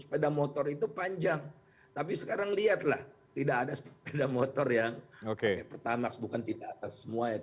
sepeda motor itu panjang tapi sekarang lihatlah tidak ada sepeda motor yang oke pertamax bukan tidak atas semua ya